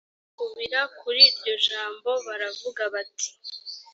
bamukubira kuri iryo jambo baravuga bati